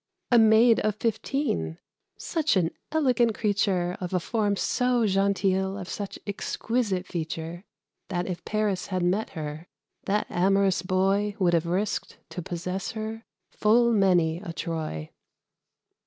a Maid of fifteen such an elegant creature, Of a form so genteel, of such exquisite feature, That if Paris had met her, that amorous boy Would have risked, to possess her, full many a Troy.